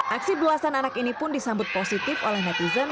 aksi belasan anak ini pun disambut positif oleh netizen